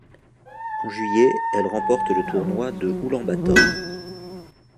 En juillet, elle remporte le tournoi de Oulan-Bator.